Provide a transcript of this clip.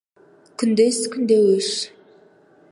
Күндес күнде өш.